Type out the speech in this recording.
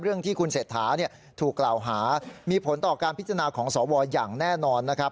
เรื่องที่คุณเศรษฐาถูกกล่าวหามีผลต่อการพิจารณาของสวอย่างแน่นอนนะครับ